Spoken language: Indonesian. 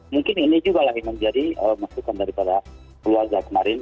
mungkin ini juga lagi menjadi masukan daripada luar zaat kemarin